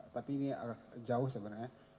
tapi ini agak jauh sebenarnya